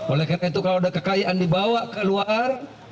oleh karena itu kalau ada kekayaan dibawa ke luar